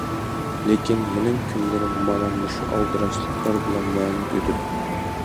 لېكىن مېنىڭ كۈنلىرىم مانا مۇشۇ ئالدىراشلىقلار بىلەن مەنىلىك ئۆتىدۇ.